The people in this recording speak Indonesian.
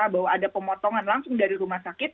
bahwa ada pemotongan langsung dari rumah sakit